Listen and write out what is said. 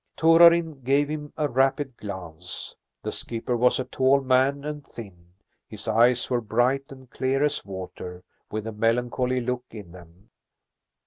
Torarin gave him a rapid glance. The skipper was a tall man and thin; his eyes were bright and clear as water, with a melancholy look in them.